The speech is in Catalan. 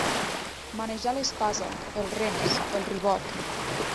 Manejar l'espasa, els rems, el ribot.